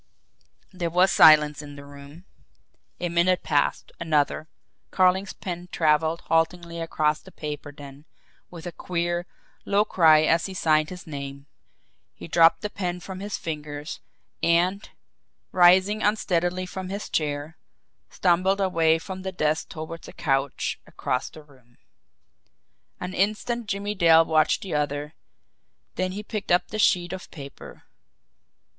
There was silence in the room. A minute passed another. Carling's pen travelled haltingly across the paper then, with a queer, low cry as he signed his name, he dropped the pen from his fingers, and, rising unsteadily from his chair, stumbled away from the desk toward a couch across the room. An instant Jimmie Dale watched the other, then he picked up the sheet of paper.